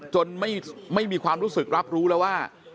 จนไม่มีความรู้สึกรับรู้แล้วว่า